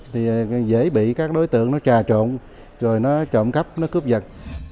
thì dễ bị các đối tượng nó trà trộn rồi nó trộm cắp nó cướp giật